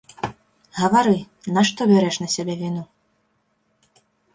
Гавары, нашто бярэш на сябе віну?!